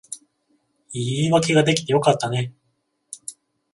いい言い訳が出来てよかったね